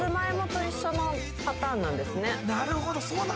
なるほど。